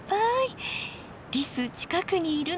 リス近くにいるのかな？